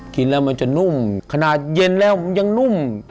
กินแล้วมันจะนุ่มขนาดเย็นแล้วยังนุ่ม